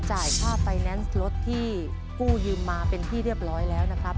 จ่ายค่าไฟแนนซ์รถที่กู้ยืมมาเป็นที่เรียบร้อยแล้วนะครับ